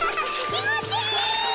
気持ちいい！